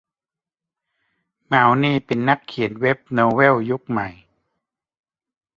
มาวนี่เป็นนักเขียนเว็บโนเวลยุคใหม่